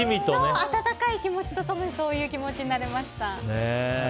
温かい気持ちと共にそういう気持ちになれました。